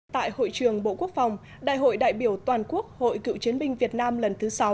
tại hội trường bộ quốc phòng đại hội đại biểu toàn quốc hội cựu chiến binh việt nam lần thứ sáu